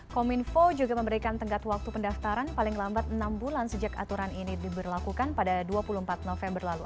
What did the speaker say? kominfo juga memberikan tenggat waktu pendaftaran paling lambat enam bulan sejak aturan ini diberlakukan pada dua puluh empat november lalu